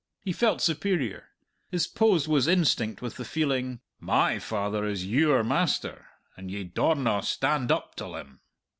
He felt superior. His pose was instinct with the feeling: "My father is your master, and ye daurna stand up till him."